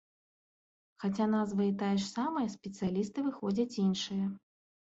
Хаця назва і тая ж самая, спецыялісты выходзяць іншыя.